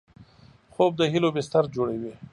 خوب د هیلو بستر جوړوي